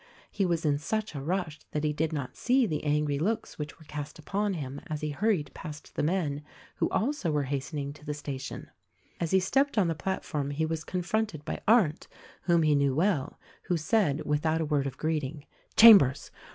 He was in such a rush that he did not see the angry looks THE RECORDING AXGEL i 43 which were cast upon him as he hurried past the men who also were hastening to the station. As he stepped on the plat form he was confronted hy Arndt, whom he knew well, who said— without a word of greeting— "Chambers